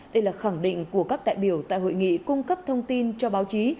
đây là khẳng định của các đại biểu tại hội nghị cung cấp thông tin cho báo chí